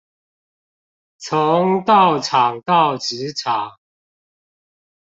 從道場到職場